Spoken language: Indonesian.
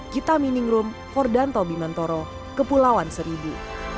kita mining room fordanto bimantoro kepulauan seribu